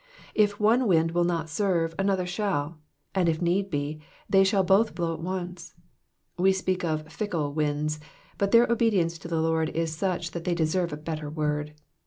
If one wind will not serve, another shall ; and if need be, they shall both blow at once. We speak of Jickle wiads, but their obedience to their Lord is such that they deserve a better word.